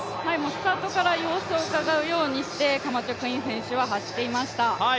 スタートから様子をうかがうようにして、カマチョクイン選手は走っていました。